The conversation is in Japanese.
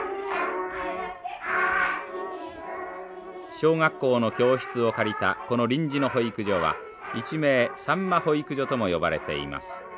小学校の教室を借りたこの臨時の保育所は一名さんま保育所とも呼ばれています。